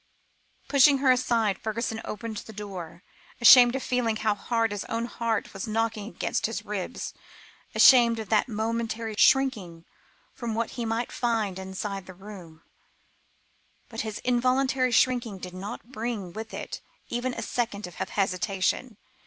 Pushing her aside, Fergusson opened the door, ashamed of feeling how hard his own heart was knocking against his ribs, ashamed of that momentary shrinking from what he might find inside the room; but his involuntary shrinking did not bring with it even a second of hesitation.